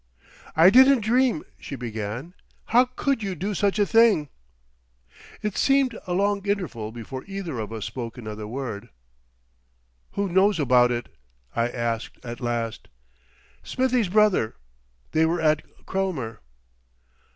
"I didn't dream," she began. "How could you do such a thing?" It seemed a long interval before either of us spoke another word. "Who knows about it?" I asked at last. "Smithie's brother. They were at Cromer."